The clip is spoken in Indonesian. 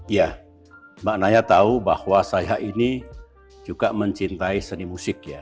ya mbak naya tahu bahwa saya ini juga mencintai seni musik ya